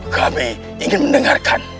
kami ingin mendengarkan